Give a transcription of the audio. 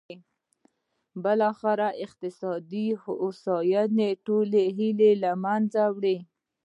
بالاخره د اقتصادي هوساینې ټولې هیلې له منځه وړي.